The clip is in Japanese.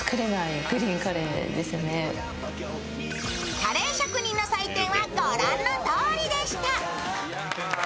カレー職人の採点は御覧のとおりでした。